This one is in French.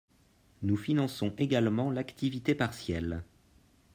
Nous finançons également l’activité partielle.